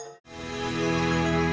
ketika bisa mengarangkan tiring